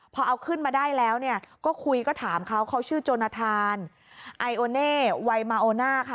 พอเอาขึ้นมาได้แล้วเนี่ยก็คุยก็ถามเขาเขาชื่อจนทานไอโอเน่วัยมาโอน่าค่ะ